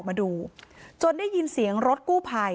นางศรีพรายดาเสียยุ๕๑ปี